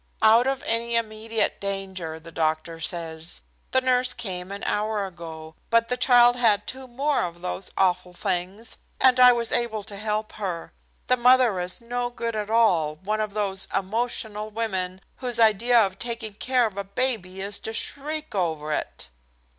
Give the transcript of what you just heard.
"Out of any immediate danger, the doctor says. The nurse came an hour ago, but the child had two more of those awful things, and I was able to help her. The mother is no good at all, one of those emotional women whose idea of taking care of a baby is to shriek over it."